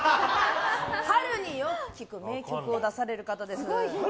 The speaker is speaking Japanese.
春によく聴く名曲を出される方です。